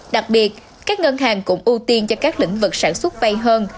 đặc biệt các ngân hàng cũng ưu tiên cho các lĩnh vực sản xuất vay hơn